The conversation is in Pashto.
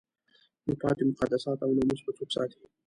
نو پاتې مقدسات او ناموس به څوک ساتي؟